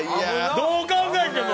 どう考えても！